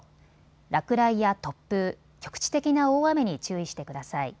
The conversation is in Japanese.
落雷や突風、局地的な大雨に注意してください。